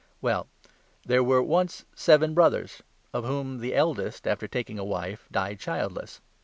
Well, there were once seven brothers ; of whom the eldest, 29 after taking a wife, died childless.